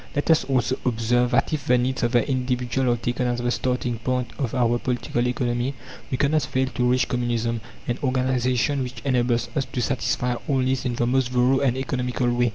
Let us also observe that if the needs of the individual are taken as the starting point of our political economy, we cannot fail to reach Communism, an organization which enables us to satisfy all needs in the most thorough and economical way.